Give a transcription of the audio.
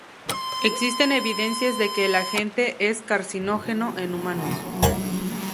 Existen evidencias de que el agente es carcinógeno en humanos.